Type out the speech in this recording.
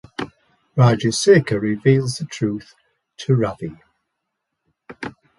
Rajasekhar reveals the truth to Ravi.